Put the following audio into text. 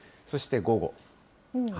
そして午後。